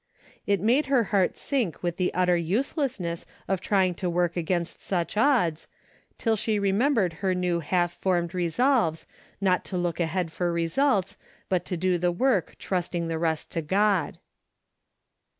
It made her heart sink with the utter useless ness of trying to work against such odds, till she remembered her new half formed resolves, not to look ahead for results, but to do the work trusting the rest to God.